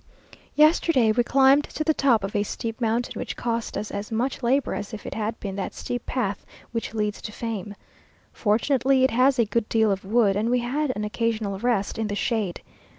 Yesterday, we climbed to the top of a steep mountain, which cost us as much labour as if it had been that steep path which "leads to fame." Fortunately, it has a good deal of wood, and we had an occasional rest in the shade.